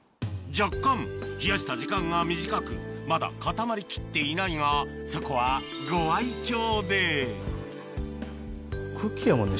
若干冷やした時間が短くまだ固まりきっていないがそこはご愛嬌でクッキーやもんね